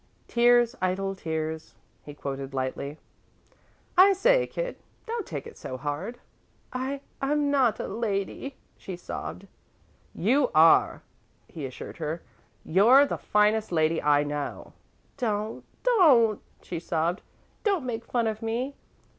"'Tears, idle tears,'" he quoted lightly. "I say, kid, don't take it so hard." "I I'm not a lady," she sobbed. "You are," he assured her. "You're the finest little lady I know." "Don't don't," she sobbed. "Don't make fun of me.